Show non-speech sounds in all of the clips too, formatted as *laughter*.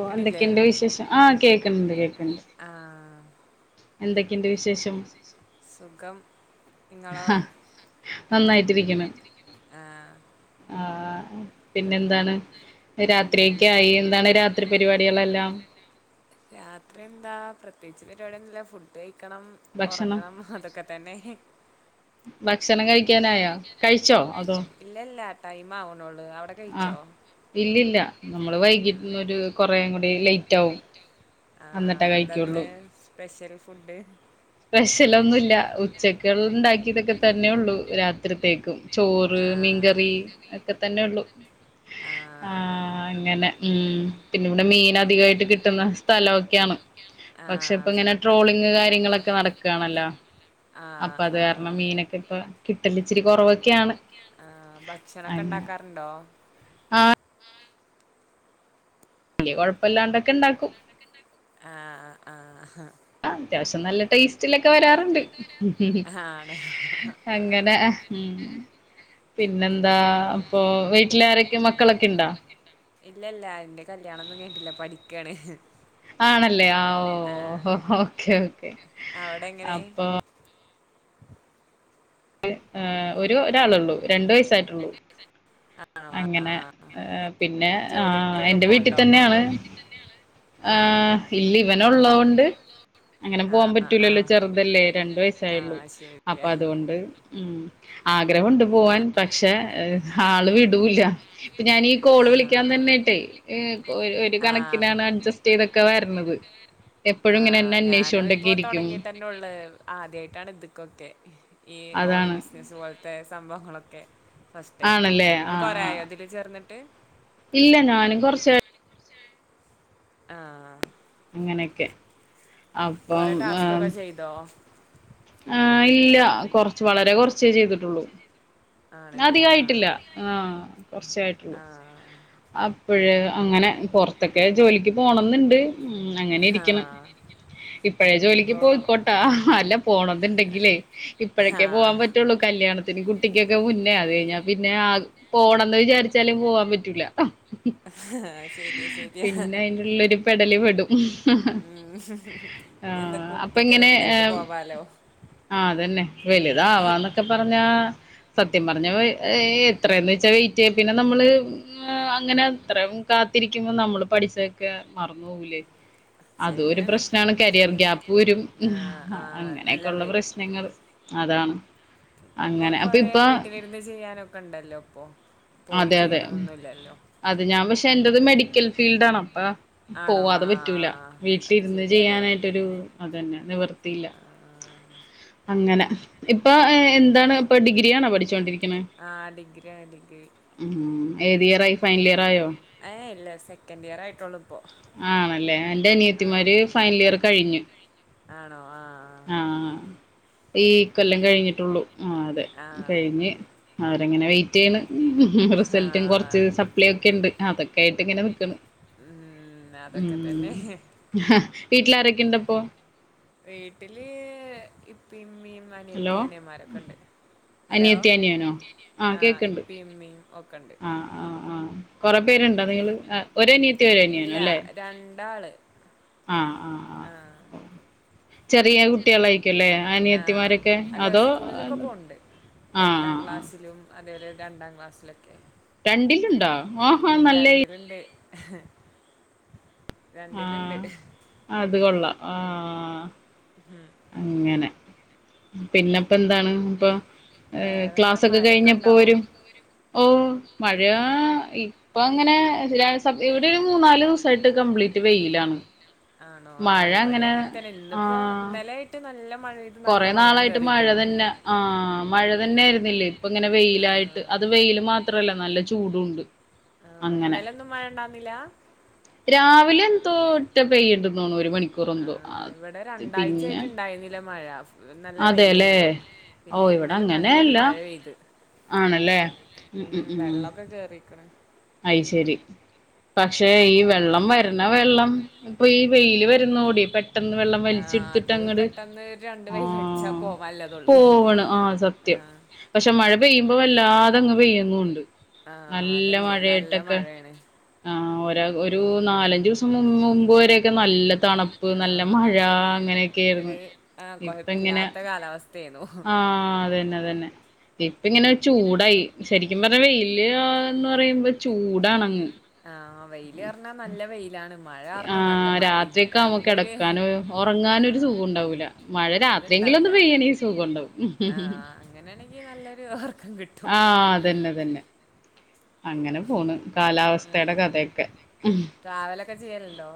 ഓഹ് എന്തൊക്കെയുണ്ട് വിശേഷം. ആഹ് കേൾക്ക്ണ്ട് കേൾക്ക്ണ്ട് ആഹ് എന്തൊക്കെയുണ്ട് വിശേഷം? സുഖം ഇങ്ങളോ? ആ ആഹ് ആഹ്... പിന്നെ എന്താണ് രാത്രിയൊക്കെ പിന്നെന്താ ആയി. എന്താണ് രാത്രി പരിപാടികളെല്ലാം. രാത്രി എന്താ പ്രത്യേകിച്ച് പരിപാടി ഒന്നുല്ല. ഫുഡ് കഴിക്കണം. ഭക്ഷണം ഒറങ്ങണം. അതൊക്കെ തന്നെ. ഭക്ഷണം കഴിക്കാനായോ കഴിച്ചോ? അതോ.. ഇല്ല ഇല്ല, ടൈം ആവുണേള്ളൂ. അവിടെ കഴിച്ചോ? ഇല്ല ഇല്ല നമ്മള് വൈകിട്ടന്നൊരു കൊറേയും കൂടി ലേറ്റ് ആകും. ആഹ്, എന്താന്ന് സ്പെഷ്യൽ ഫുഡ്. സ്പെഷ്യലൊന്നുല്ല. ഉച്ചക്ക് ഉള്ള ഉണ്ടാക്കിയതൊക്കെ തന്നെ ഉള്ളൂ. രാത്രിത്തേക്കും. ചോറ് ആ മീൻകറി ഒക്കെ തന്നെള്ളു ആണോ ആഹ് അങ്ങനെ. ഉം പിന്നെ ഇവിടെ മീൻ അധികമായിട്ട് കിട്ടുന്ന സ്ഥലമൊക്കെയാണ് ആ പക്ഷെ ഇപ്പ ഫു- ഇങ്ങനെ ട്രോളിംഗ് കാര്യങ്ങളൊക്കെ ഒക്കെ നടക്കുകയാണല്ലോ. ആഹ് ആഹ് അതെ ഇപ്പ കിട്ടല് ഇച്ചിരി കൊറവ് ആ ഭക്ഷണൊക്കെ ഒണ്ടാക്കാറുണ്ടോ? ആ വല്ലിയ കൊഴപ്പമില്ലാണ്ടൊക്കെ ഒണ്ടാക്കും. ആഹ് ആഹ് ആ അത്യാവശം നല്ല ടേസ്റ്റ് റ്റിലൊക്കെ വരാറുണ്ട് ആ ആണോ ആ അങ്ങനെ ഉം പിന്നെന്താ അപ്പൊ വീട്ടിലാരൊക്കെ മക്കളൊക്കെണ്ടോ. ഇല്ല ഇല്ല ഇന്റെ കല്യാണന്നും കൈയിഞ്ഞിട്ടില്ലാ പഠിക്കാണ്. ആണല്ലേ ആ ഓ ഓ ഓക്കേ ഓക്കേ അവിടെ എങ്ങനെ അപ്പൊ. ഒരു ഒരാളള്ളൂ രണ്ടു വയസ്സായിട്ടുള്ളൂ. ആണോ ആ ആ അങ്ങനെ ആ പിന്നെ ആ ജോലിക്കൊക്കെ എന്റെ പോണ്ടോ വീട്ടിതന്നെയാണ്. ആ ആഹ് ഇല്ല ഇവനുള്ളോതു കൊണ്ട്. അങ്ങനെ ആ പോവാൻ ആ പറ്റൂലല്ലോ ചെറുതല്ലേ രണ്ട് ആ വയസായുള്ളു അപ്പൊ ശരിയാ അതുകൊണ്ട്- ഉം ആഗ്രവുണ്ട് ആ പോവാൻ പക്ഷെ ആള് വിടൂല്ല. ഇപ്പൊ ഞാൻ ഈ കോള് വിളിക്കാൻ തന്നെയായിട്ടേ ഏ ഒരു ആ കണക്കിനാണ് അഡ്ജസ്റ്റ് ചെയ്തൊക്കെ വരണത്. എപ്പഴും ഇങ്ങനെ തന്നെ അന്വേഷിച്ചു കൊണ്ടക്കെയിരിക്കും. പി *unintelligible* ള്ള ആദ്യമായിട്ടാണ് ഇതക്കൊക്കെ ഈ ഓൺലൈൻ അതാണ് ബിസിനസ്സ് പോലത്തെ ഞങ്ങളൊക്കെ ഫസ്റ്റ് ടൈം ആ ആണല്ലേ ഇങ്ങൾള് ആഹ് കൊറെ ആഹ് ആയോ ഇതിൽ ചേർന്നിട്ട്? ഇല്ല ഞാനും കൊറച്ച ആഹ് അങ്ങനെയൊക്കെ അപ്പം ആ - ഇത *unintelligible* ആഹ് ഇല്ല കൊറച്ച് വളരെ കൊറച്ചേ ചെയ്തിട്ടുള്ളൂ ആണല്ലേ അധികയിട്ടില്ല ആഹാ കൊറച്ചെയായിട്ടുള്ളൂ. ആ അപ്പഴ് അങ്ങനെ പൊറത്തൊക്കെ ജോലിക്ക് പോണംന്നുണ്ട് ഉം അങ്ങനെ ആ ഇരിക്കണ് ആ ഇപ്പോഴേ ജോലിക്ക് ഇനിയിപ്പോ പോയിക്കോട്ടാ അല്ല പോണെന്നുണ്ടെങ്കിലേ ആ ഇപ്പോഴക്കെ പോവാൻ പറ്റ പറ്റുള്ളൂ കല്യാണത്തിന് കുട്ടിക്കൊക്കെ മുന്നേ അത് കഴിഞ്ഞാൽ പിന്നെ ആ പോകണം എന്ന് വിചാരിച്ച ച്ചാലും പോവാൻ പറ്റൂല. ആഹ് ശരിയാ ശരിയാ പിന്നെ അയിന്റുള്ളിലൊരു പെടല് പെടും ഉം ഇനി എന്തൊക്കെ ആഹ് അപ്പൊ കുട്ടിയൊക്കെ ഇങ്ങനെ വലുതായിട്ട് പോവാലോ. ആഹ് അതന്നെ വലുതാവാന്നൊക്കെ പറഞ്ഞാ സത്യം പറഞ്ഞ ഏ എത്രയന്ന് വെച്ചാൽ പിന്നെ നമ്മള് അങ്ങനെ അത്രയും കാത്തിരിക്കുമ്പോൾ നമ്മള് പഠിച്ചൊക്കെ മറന്നു പോ വില്ലെ അതും ഒരു ശരിയാണ് പ്രശ്നാണ് കരിയർ ഗ്യാപ്പ് വരും ആ ആ നല്ല അങ്ങനെയൊക്കെയ ഉള്ള വരും പ്രശ്നങ്ങൾ. അതാണ് പിന്നെ ഇപ്പൊ അങ്ങനെ അപ്പൊ. കൊറേ ഇപ്പൊ വീട്ടിലിരുന്ന് ചെയ്യാനൊക്കെ ഉണ്ടല്ലോ പ്പൊ പോയി അതെ അതെ ചെയ്യണന്നൊന്നുല്ലല്ലോ. അത് ഞാൻ പക്ഷെ എന്റത് മെഡിക്കൽ ഫീൽഡ് ആണ് അപ്പ ആണോ ആ പോവാതെ പറ്റൂല. അത് ഇരുന്ന് ശരിയല്ലേ ചെയ്യാനായിട്ടൊരു. അതന്നെ നിവർത്തിയില്ല ആ അങ്ങനെ ഇപ്പൊ എന്താണ് ഇപ്പൊ ഡിഗ്രി. ഡിഗ്രിയാണോ പഠിച്ചുകോണ്ടിരിക്കനെ. ആഹ ആ ഡിഗ്രി ആ ഡിഗ്രി ഉ ഏത് ഇയർ ആയി ഫൈനൽ ഇയർ ആയോ? എയ് ഇല്ല സെക്കൻഡിയറയിട്ടോള്ളു ഇപ്പോ ആണല്ലേ എന്റെ അനിയത്തിമാര് ഫൈനലിയർ കഴിഞ്ഞ് ആണോ ആഹ് ആഹ് ഈ കൊല്ലം കഴിഞ്ഞിട്ടുള്ളൂ ആഹ് അതെ ആ കഴിഞ്ഞ് അവരിങ്ങനെ വെയി റ്റ്യ്യണ് റിസൽറ്റും കൊറച്ച് ആ സപ്ലൈക്കെണ്ട് അതൊക്കെയായിട്ട് ഇങ്ങനെ നിക്കണ് ഉം അതൊക്കെ തന്നെ വീട്ടിലാരൊക്കെണ്ടപ്പോ വീട്ടില് ഇപ്പീംഇമ്മീ ഹലോ അനയത്തി അനിയമാരൊക്കെണ്ട് ഹലോ അനിയത്തി അനിയനോ അനിയത്തി അനിയനു ആഹ് ഇപ്പിമ്മീ ഓക്കണ്ട് കുറെ പേരുണ്ടോ നിങ്ങള് ഒരനിയത്തി ഇല്ല ഒരനിയനോല്ലേ രണ്ടാള് ആഹ് ആഹ് ആ ആഹ് ചെറിയ കുട്ട്യളായിരിക്കല്ലേ ആ അനിയത്തിമാരൊക്കെ അല്ല അതോ സ്കൂളിലൊക്കെ പോണ്ട് ആഹ് എട്ടാം ആഹ് ക്ലാസ്സിലും അതേപോലെ രണ്ടാക്ലാസ്സിലൊക്കെ രണ്ടിലുണ്ടോ ആഹാ നല്ല രണ്ടിലുണ്ടോ ഉം രണ്ടിലിണ്ട് രണ്ടിലിണ്ട് ആഹ് അത് കൊള്ളാം ആഹ് ഉം അങ്ങനെ പിന്നെപ്പന്താണ് അപ്പൊ ഏഹ് വേറെന്താ ക്ലാസ്സൊക്കെ മഴയൊക്കെ കയിഞ്ഞപ്പോ ഉണ്ടോ വെരും ഓഹ് മഴയാ ഇപ്പ ഇപ്പൊങ്ങനെ ഇവിടെ ഒരു മൂന്നാലിസായിട്ട് കംപ്ലീറ്റ് വെയിലാണ് ആണോ ആ മഴ ഇവിടെ അങ്ങനെ അങ്ങൻതന്നെ ഇന്നിപ്പോ ഇന്നലെ ആയിട്ട് നല്ല മഴ നല്ല കൊറെ വെള്ളം നാളായിട്ട് കേറിക്കണ് മഴതന്നെ ആ മഴ തന്നൊയിരുന്നില്ലേ ഇപ്പിങ്ങനെ ആഹ് വെയിലായിട്ട് അത് വെയില് മാത്രല്ല നല്ല ചൂടുണ്ട് ആഹ് അങ്ങനെ ഇന്നലൊന്നും മഴണ്ടാന്നില്ലാ രാവിലെ എന്തോ ഒറ്റ പെയ്യണ്ടുന്നോ ഒരുമണിക്കൂറെന്തോ അത് പിന്നാ കഴിന്നില്ലേ മഴാ അതെല്ലേ ഓ ഇവിടെ ഇന്നലെ നല്ലൊരു അങ്ങനെയല്ല മഴ പെയ്ത് ആണല്ലേ ഉം ഉം ഉം വെള്ളൊക്കെ കേറിക്ക്ണ് അയ്ശെരി പക്ഷെ ഈ വെള്ളം വരണെ വെള്ളം ഇപ്പൊ ഈ വെയില് വെരുന്നൂടി പെട്ടെന്ന് വെള്ളം ആഹ് വലിച്ചെടുത്തിട്ട് അത് അങ്ങട് പെട്ടെന്ന് രണ്ട് വെയിലടിച്ചാ ആഹ്. പോവാല്ലതൊള്ള് പോവ്ണ് ആഹ് സത്യം ആഹ് പഷെ മഴപെയ്യുമ്പോ വല്ലാതങ്ങ് പെയ്യന്നൂണ്ട് ആഹ് നല്ല അത്ണ്ട് മഴ- നല്ല മഴ ആണ് ആ ഒരാ ഒരു നാലഞ്ചൂസം സം മും മുമ്പ് വരെയൊക്കെ നല്ല തണുപ്പ് നല്ല ആഹ് മഴ അങ്ങനെയൊക്കെ ആയിരുന്ന്. ആഹ് കൊയപ്പല്ലാത്തെ തേന്നു ആഹ് അതെന്നെ അതെന്നെ ഇപ്പ ഇങ്ങനൊരു ചൂടായി ശെരിക്കുപറഞ്ഞ വെയില് എന്ന് പറയുമ്പോ ചൂടാണങ്ങ് ആഹ് വെയില് അറ്ഞ്ഞാ നല്ല വെയിലാണ് മഴാറ്ഞ്ഞാ നല്ല ആഹ് മഴിം രാത്രിയൊക്കെ ആവുമ്പോ രണ്ടൊര് കിടക്കാന് ഉറങ്ങാനും ഒരു ആഹ് സുഖം ഉണ്ടാവൂല മഴ രാത്രിയെങ്കിലും അത്ണ്ടാവൂല ഒന്ന് പെയ്യണെ സുഖം ഉണ്ടാവും ആഹ് അങ്ങനെയാണെങ്കി നല്ലൊരു ഒർക്കം കിട്ടും ആഹ് അതന്നെ അതന്നെ അങ്ങനെ പോണ് കാലാവസ്ഥയുടെ കഥയൊക്കെ ഉം ട്രാവലൊക്കെ ചെയ്യലുണ്ടോ?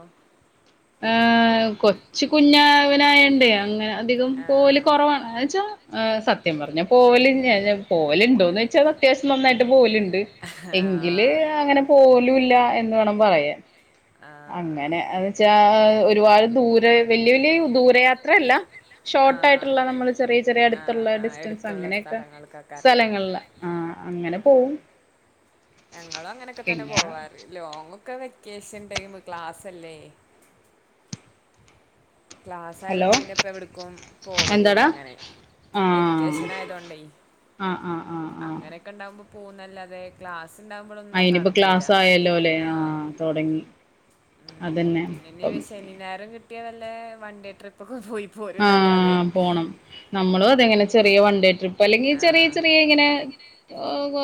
ആഹ് കൊച്ച് കുഞ്ഞാ അങ്ങനായോണ്ടേ അങ്ങനെ അധികം പോവല് കൊറവാണ് അത് വെച്ചാ സ സത്യം പറഞ്ഞാൽ പോവലിനശഞ്ഞാഞെ പോവലുണ്ടോന്ന് ചോയ്ച്ചാ അത്യാവശ്യം നന്നായിട്ട് പോവലുണ്ട് ആഹ് എങ്കില് അങ്ങനെ പോവലൂല്ലാ എന്ന് വേണം പറയാൻ ആഹ് ആഹ് അങ്ങനെ അത് ചാഹ് ഒരുപാട് ദൂരെ വല്ലിയ വല്ലിയ ദൂരയാത്രയല്ല ഷോർട്ട് ആഹ് ആയിട്ടുള്ള നമ്മള് ചെറിയ ചെറിയ ആഹ് അടുത്തുള്ള ആഹ് ഡിസ്റ്റൻസ് എടുത്തുള്ള അങ്ങനെയൊക്കെ സ്ഥലങ്ങൾക്കൊക്കാരല്ലേ സ്ഥലങ്ങളില് ആഹ് അങ്ങനെ ആഹ് പോവും. ഞങ്ങളും അങ്ങനെയൊക്കെ തന്നെ പിന്നെ പോവാറ് ലോങ്ങൊക്കെ വെക്കേഷൻ ടൈം ക്ലാസ്ല് അല്ലേ. ക്ലാസ് ഹലോ ആയതോണ്ട് പിന്നെ ഇപ്പ എവിട്ക്കും പോവലില്ല എന്താടാ അങ്ങനെ. ആഹ് വെക്കേഷൻ ആയതോണ്ടേ.. ആഹ് ആഹ് ആഹ് ആഹ് ഇക്ക ഇണ്ടാവകുമ്പോ പോകുന്നല്ലാതെ ക്ലാസ് ആ ഇണ്ടാവുമ്പോളൊന്നും ഇനിയിപ്പോ നടക്കൂല. ക്ലാസ് ആയല്ലോ അല്ലേ ആ ആഹ് തൊടങ്ങി ഉം അതന്നെ പിന്നെ ഇനി അപ്പം ശനിം ഞായറും കിട്ടിയാ വെല്ലെ വൺ ഡേ ട്രിപ്പൊക്കെ പോയി പോരുന്നല്ലാതെ ആഹ് പോണം നമ്മളു അതെങ്ങനെ ചെറിയ വൺഡേ ട്രിപ്പ് അല്ലെങ്കിൽ ആ ചെറിയ ചെറിയ ഇങ്ങനെ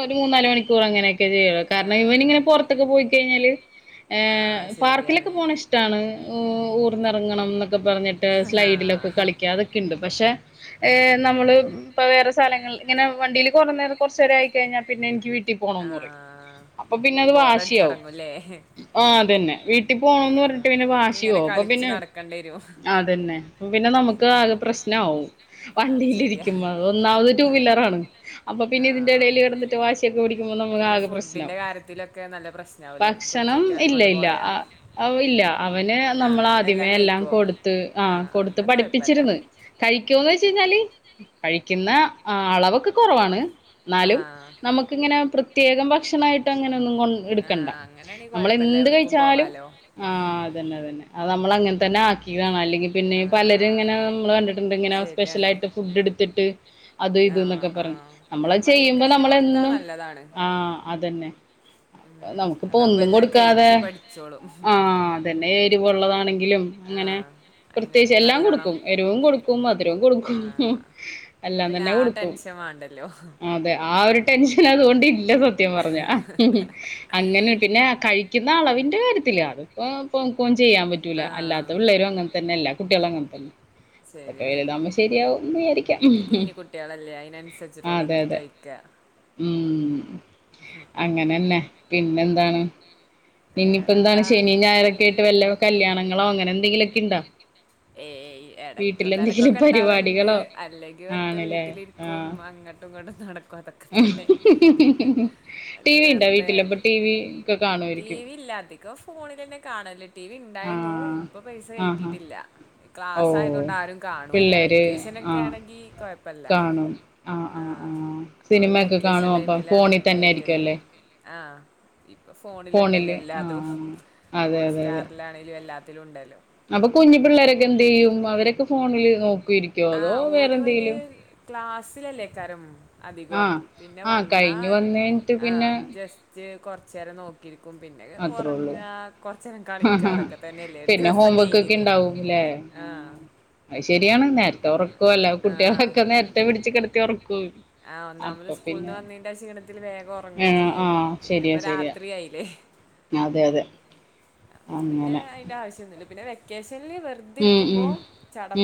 ഒരോ മൂന്നാല് മണിക്കൂർ അങ്ങനെയൊക്കെ ചെയ്യല് ആ കാരണം ഇവൻ ഇങ്ങനെ പുറത്തൊക്കെ പോയിക്കഴിഞ്ഞാല് ആ ഏഹ് പാർക്കിലൊക്കെ ശരിയാണ് പോവ്ണെ ഇഷ്ടാണ് ഓഹ് ഊർന്നിറങ്ങണം എന്ന് ക്കൊ പറഞ്ഞിട്ട് ആ സ്ലൈഡിലൊക്കെ കളിക്കാ അതൊക്കെയിണ്ട് പക്ഷെ ഏഹ് നമ്മള് ഇപ്പൊ വേറെ സ്ഥലങ്ങള് ഇങ്ങനെ വണ്ടീൽ കുറേ നേരം കുറചേരായി കഴിഞ്ഞാൽ പിന്നെ എനിക്ക് വീട്ടി ആ പോണന്ന് പറയും അപ്പൊ പിന്നെ അത് ബോറടിച്ചു വാശിയാവും തുടങ്ങൂല്ലേ ആഹ് അതന്നെ വീട്ടിൽ ആ, പോണംന്ന് പറഞ്ഞിട്ട് പിന്നെ അവർക്ക് ഇങ്ങനെ വാശിയാവും അപ്പൊ കളിച്ച് പിന്നെ നടക്കേണ്ടി വരും ആഹ് അതന്നെ, അപ്പൊ പിന്നെ നമുക്ക് ആകെ പ്രശ്നാവും. അത് ശരിയാ വണ്ടിയിലിരിക്കും അത് ഒന്നാമത് ടുവീലറാണ് അപ്പൊ ആ പിന്നെ ഇതിന്റെ ഇടയില് കിടന്നിട്ട് വാശി വണ്ടിയൊക്കെ ഓടിക്കുമ്പോ നമുക്ക് പിന്നെ ആകെ ഫുഡിന്റെ പ്രശ്നാവും കാര്യത്തിലൊക്കെ നല്ല പ്രശ്നാവൂലേ ഭക്ഷണം കൊച്ചുകുട്ടികളെയും ഇല്ല കൊണ്ട് ഇല്ല്യാ പോയാ ആഹ് അവ ഇല്ല അവന് ആ നമ്മളാദ്യമേ എല്ലാം കഴിക്കുവോ കൊടുത്ത് ആ ആഹ് കൊടുത്ത് എന്നാ കുഴപ്പമില്ല പഠിപ്പിച്ചിരിന്ന്, കഴിക്കോന്നൊച്ചയിഞ്ഞാല് കഴിക്കുന്ന അളവൊക്കെ കുറവാണ് ആ എന്നാലും നമുക്കിങ്ങനെ പ്രത്യേകം ഭക്ഷണായിട്ട് അങ്ങനെ ഒന്നും കൊണ്ട് ആ ഇടുക്കണ്ട അങ്ങനെയാണെങ്കിൽ നമ്മള് കുഴപ്പമില്ല എന്ത് എവിടേക്കും കയിച്ചാലും പോവാലോ ആഹ് അതെന്നെ അതെന്നെ. അത് നമ്മള് അങ്ങനെ തന്നെ ആക്കിയാതാണ് അല്ലെങ്കിൽ പിന്നെ പലരും ഇങ്ങനെ ആഹ് നമ്മള് കണ്ടിട്ടുണ്ട് ഇങ്ങനെ ശരിയാണ് സ്പെഷ്യലായിട്ട് ഫുഡ് എടുത്തിട്ട് അത് ഇത് ആഹ് ന്നൊക്കെ പറഞ്ഞു ആഹ് നമ്മള് അത് ചെയ്യുമ്പോ കഴിക്കണന്നെ നമ്മൾ കൊടുത്താ എന്നും നല്ലതാണ് ആഹ് അതന്നെ ഉം നമുക്കിപ്പൊ അതാവുമ്പോ ഒന്നും എല്ലാം കൊടുക്കാതെ കഴിച്ച് പഠിച്ചോളും ആഹ് തന്നെ എരിവൊള്ളതാണെങ്കിലും അങ്ങനെ ആഹ് പ്രത്യേകിച്ച് അയിനിട്ട് എല്ലാം നല്ലോണം കൊടുക്കും എരുവും കൊടുക്കും മധുരവും കൊടുക്കും ആഹ് അപ്പൊ എല്ലാം പിന്നെ തന്നെ ആ കൊടുക്കും ടെൻഷൻ വാണ്ടല്ലോ കൊടുക്കും അതെ ആഹ് ഒരു ടെൻഷൻ അതുകൊണ്ട് ഇല്ല സത്യം പറഞ്ഞാ അങ്ങനെ പിന്നെ കഴിക്കുന്ന അളവിന്റെ കാര്യത്തില് അതിപ്പോ ഇപ്പോ നമ്മക് ഒന്നും ചെയ്യാൻ പറ്റില്ല പറ്റൂലാ ആഹ് അല്ലാത്ത പിള്ളേരും അങ്ങനെ തന്നെയല്ലേ എല്ലാ കുട്ടികൾ അങ്ങനെ തന്നെ ശരിയാണ് വലുതുകമ്പോ ശരിയാകും വിചാരിക്കാം അത് കുഞ്ഞി കുട്ടികളല്ലേ അതെ അയിനനുസരിച്ചിട്ടുള്ളത് അതെ കഴിക്ക ഉം അങ്ങനെന്നെ പിന്നെന്താണ് പിന്നെയിപ്പാ എന്താണ് വേറെന്താ ശനിയും ഞായറൊക്കായിട്ട് വല്ല കല്യാണങ്ങളോ അങ്ങനെ എന്തെങ്കിലുലൊക്കെ ഉണ്ടോ ഏഹ് ഇടക്കും തലക്കൊക്കെ ഇണ്ടാവലുണ്ട് പരിപാടികളോ അല്ലെങ്കി വെറുതെ ആണല്ലേ വീട്ടിലിരിക്കും ആഹ് അങ്ങനേ അങ്ങോട്ട് ഇങ്ങോട്ടും നടക്കും അതൊക്കെ തന്നെ അല്ലേ വെറുതെ ടീവി ഒക്കെ കാണും ടിവിയില്ലാ അധികം ഫോണിൽ തന്നെ കാണല് ടിവി ഇണ്ടായിരുന്നു ആഹ് ഇപ്പൊ പൈസ ആഹാ കയറ്റിട്ടില്ല ഓ ക്ലാസായത് കൊണ്ട് ആരും കാണ കാണുല പിള്ളേര് വെക്കേഷന ആഹ് ഒക്കെയാണെങ്കി കൊഴപ്പല്ല കാണും ആഹ് ആഹ് ആഹ് സിനിമയൊക്കെ വെക്കേഷൻ കാണും അപ്പം ടൈമിലാണ് ഫോണിൽ തന്നെ ആയിരിക്കും കയറ്റല് അല്ലേ ആഹ് ഇപ്പോ ഫോ ഫോണിലുണ്ടല്ലോ ഫോണില് എല്ലാതും ആഹ് അതെ ഹോട്ട് അതെ അതെ സ്റ്റാറിലാണെലും എല്ലാത്തിലും ഉണ്ടല്ലോ അപ്പൊ കുഞ്ഞി പിള്ളേരൊക്കെ എന്ത്യ്യും അവരൊക്കെ ഫോണില് നോക്കുയിരിക്കും ആഹ് ഒരായിന് ക്ലാസ്സിലല്ലേക്കാരം അധികം ആഹ് പിന്നെ ആഹ് വന്നാ കഴിഞ്ഞ് വന്ന് കഴിഞ്ഞിട്ട് പിന്നെ ആഹ് ജസ്റ്റ് കൊറച്ചേരം നോക്കി ഇരിക്കും പിന്നെ അത്രേ ഉള്ളൂ ഉറങ്ങ കൊറച്ചേരം കളിക്ക അതൊക്കെ തന്നെല്ല ഒരു പിന്നെ ദിവസം ഹോം വർക്ക് ഒക്കെ കഴിഞ്ഞില്ലേ ഉണ്ടാവുംല്ലേ ആഹ് അത് ശരിയാണ് നേരത്തെ ഉറക്കുവല്ല ആ കുട്ടികളൊക്കെ നേരത്തെ പിടിച്ച കിടത്തി ഉറക്കൂ ആഹ് ഒന്നാമത് സ്കൂളിൽ നിന്ന് വന്നെന്റെ ആ ക്ഷീണത്തിൽ വേഗം ഉറങ്ങയും ഏഹ് ചെയ്യും ആഹ് ശരിയാ പിന്നെപ്പ ശരിയാ രാത്രിയായില്ലേ അതെ അതെ പിന്നെ അങ്ങനെ അതിന്റെ ആവശ്യം ഒന്നുമില്ല പിന്നെ വെക്കേഷനിൽ വെറുതെ ഉം ഉം ഇരിക്കുമ്പോൾ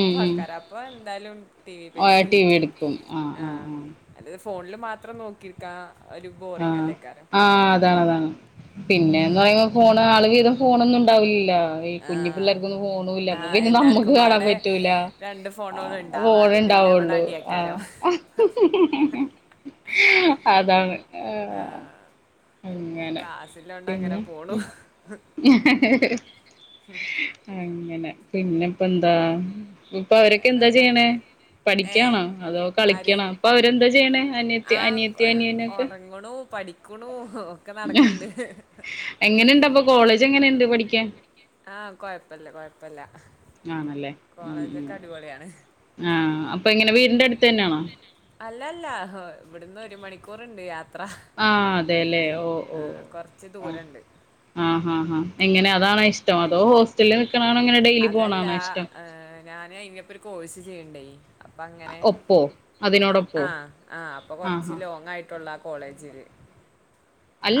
ഉം ഉം അപ്പോൾ എന്തായാലും ടി വി പൈസ ടി വി കയറ്റും എടുക്കും ആഹ് ആ ആഹ് ആഹ് അല്ലത് ഫോണിൽ മാത്രം നോക്കിരിക്ക ആഹ് ആഹ് അതാണ് അതാണ് ആ പിന്നെന്ന് പറയുമ്പോ ഫോണ് ആള് വീതം ഫോണൊന്നും ഉണ്ടാവില്ല ഈ ആ കുഞ്ഞി പിള്ളേർക്ക് ഫോണുല്ല ആ അപ്പൊ പിന്നെ നമ്മുക്ക് എല്ലാവർക്കും കാണാൻ പാടെ പറ്റൂല രണ്ട് ഫോണുകളും ഉണ്ടാവും ഫോൺ അതിന് തന്നെ ഇവിടെ ഇണ്ടാവുള്ളു അടിയക്കാരം ആഹ് അതാണ് ആഹ് അങ്ങനെ പിന്നെ പോണു അങ്ങനെ പിന്നെ ഇപ്പ എന്താ ഇപ്പൊ അവരൊക്കെ എന്താ വേറെന്താ ചെയ്യണേ ഏ പഠിക്കണോ അതോ ആര് കളിക്കണോ ഇ പ്പൊ അവരെന്താ ചെയ്യണേ അനിയ അനിയത്തിയ അനിയന് ഒക്കെ കളിക്കുണു പഠിക്ണു ഒക്കെ നടക്കണ്ട് എങ്ങനെണ്ട് അപ്പൊ കോളേജ് എങ്ങനെയുണ്ട് പഠിക്കാൻ ആഹ് കൊഴപ്പില്ല കൊഴപ്പില്ല ആണല്ലേ ഉം ആഹ് അപ്പൊ എങ്ങനെ വീടിന്റെ അടുത്ത് തന്നെയണോ അല്ലല്ല ഇവിടുന്ന് ഒരു മണിക്കൂറുണ്ട് യാത്ര യാത്ര ആഹ് അതെല്ലേ ഓ ഓ ആ കൊറച്ച് ദൂരുണ്ട് ആഹ് ആഹ് എങ്ങനെ അതാണാ ഇഷ്ടം അതോ നിക്കണാണോ ഇങ്ങനെ ഡെയിലി അതല്ല പോണാണോ ഇഷ്ടം ഞാന് ഇതിൻ്റെപ്പം ഒരു കോഴ്സ് ചെയ്യ്ണ്ടേ അപ്പം അങ്ങനെ ഒപ്പോ അതിനോടൊപ്പോ ആഹ് ആഹ് അപ്പൊ ആഹ് ആഹ് കൊറച്ച് ലോങ് ആയിട്ടുള്ള ആ കോളേജില്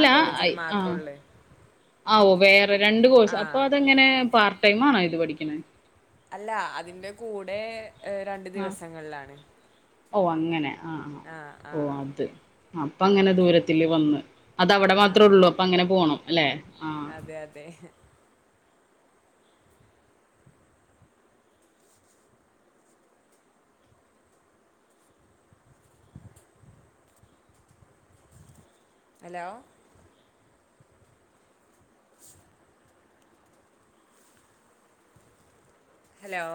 ആ കോളേജില് ആ മാത്രൊള്ളൂ ആവോ വേറെ രണ്ട് കോഴ്സ് അപ്പൊ ആഹ് അതെങ്ങനെ പ ടൈമിലാണോ ഇത് പഠിക്ക്ണേ അല്ല അതിന്റെ കൂടെ രണ്ടു ദിവസങ്ങളിലാണ് ഓഹ് അങ്ങനെ ആഹ് ഓഹ് അത് അപ്പൊ അങ്ങനെ ദൂരത്തില് വന്ന് അതവിടെ മാത്രമേ ആഹ് ഉള്ളൂ അപ്പൊ അങ്ങനെ പോണം അല്ലെ ആഹ് അതെ അതെ ഹലോ ഹലോ